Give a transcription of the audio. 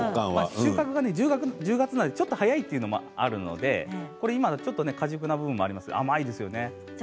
収穫が１０月なのでちょっと早いというのもあるので過熟な部分もありますが甘いですよね。